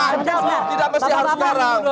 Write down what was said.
tidak mesti harus sekarang